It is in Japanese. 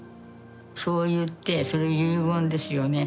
そう言ってそれ遺言ですよね